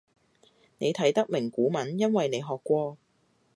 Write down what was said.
你睇得明古文因為你學過